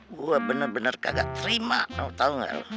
gue bener bener kagak terima tau gak lo